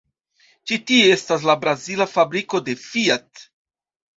Ĉi tie estas la brazila fabriko de Fiat.